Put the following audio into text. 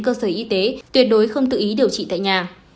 cơ sở y tế tuyệt đối không tự ý điều trị tại nhà